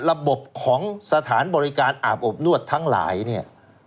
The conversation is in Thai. ระบบของสถานบริการอาบอบนวดทั้งหลายเนี่ย